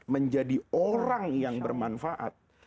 menjadi orang yang bermanfaat